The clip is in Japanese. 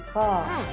うん！